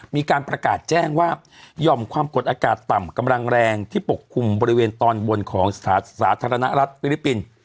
มีการประกาศแจ้งว่าหย่อมความกดอากาศต่ำกำลังแรงที่ปกคลุมบริเวณตอนบนของสาธารณรัฐฟิลิปปินส์